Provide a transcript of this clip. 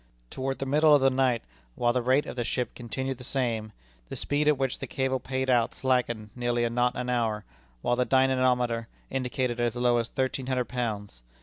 Toward the middle of the night, while the rate of the ship continued the same, the speed at which the cable paid out slackened nearly a knot an hour, while the dynamometer indicated as low as thirteen hundred pounds.